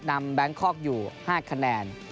แบงคอกอยู่๕คะแนน